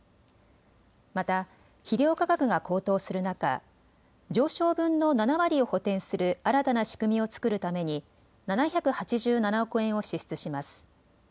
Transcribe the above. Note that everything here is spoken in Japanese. また肥料価格が高騰する中、上昇分の７割を補填する新たな仕組みを作るために７８７億円を支出します。